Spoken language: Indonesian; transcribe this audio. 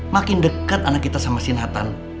makin deket anak kita sama si nathan